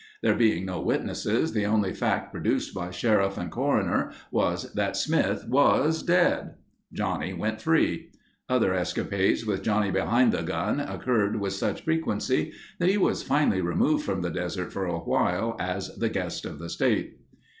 There being no witnesses the only fact produced by sheriff and coroner was that Smith was dead. Johnny went free. Other escapades with Johnny Behind the Gun occurred with such frequency that he was finally removed from the desert for awhile as the guest of the state.